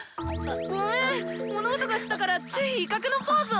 ごめん物音がしたからつい威嚇のポーズを！